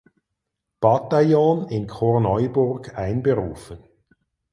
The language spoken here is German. Bataillon in Korneuburg einberufen.